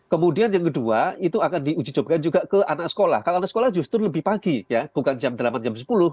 kemudian yang kedua itu akan diuji cobakan juga ke anak sekolah kalau anak sekolah justru lebih pagi ya bukan jam delapan jam sepuluh